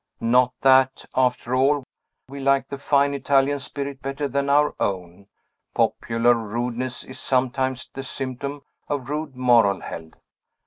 Not that, after all, we like the fine Italian spirit better than our own; popular rudeness is sometimes the symptom of rude moral health.